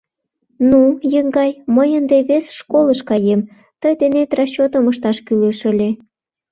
— Ну, еҥгай, мый ынде вес школыш каем, тый денет расчётым ышташ кӱлеш ыле.